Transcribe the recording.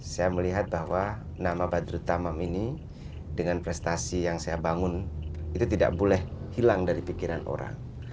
saya melihat bahwa nama badrut tamam ini dengan prestasi yang saya bangun itu tidak boleh hilang dari pikiran orang